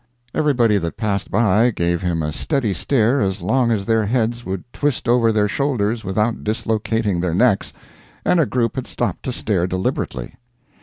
Everybody that passed by gave him a steady stare as long as their heads would twist over their shoulders without dislocating their necks, and a group had stopped to stare deliberately.